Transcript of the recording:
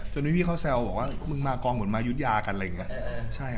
พี่เขาแซวบอกว่ามึงมากองเหมือนมายุธยากันอะไรอย่างนี้